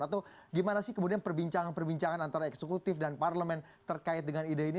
atau gimana sih kemudian perbincangan perbincangan antara eksekutif dan parlemen terkait dengan ide ini